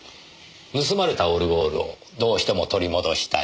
盗まれたオルゴールをどうしても取り戻したい。